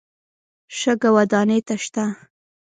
شګه ودانۍ ته شته.